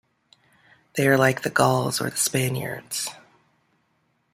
They are like the Gauls or the Spaniards.